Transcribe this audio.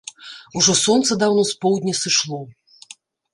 Ужо сонца даўно з поўдня сышло.